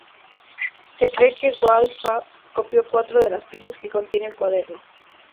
Se cree que Wolfgang copió cuatro de las piezas que contiene el cuaderno.